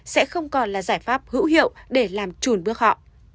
sẽ không còn là giải pháp hữu hiệu để làm trùn bước họ